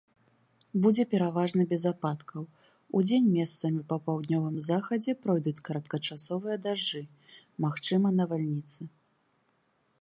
Будзе пераважна без ападкаў, удзень месцамі па паўднёвым захадзе пройдуць кароткачасовыя дажджы, магчымыя навальніцы.